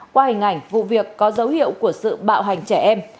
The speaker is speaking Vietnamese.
qua hình ảnh vụ việc có dấu hiệu của sự bạo hành trẻ em